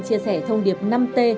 chia sẻ thông điệp năm t